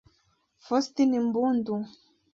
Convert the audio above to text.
Faustin Mbundu